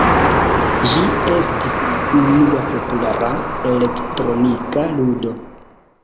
Ĝi estis la unua populara elektronika ludo.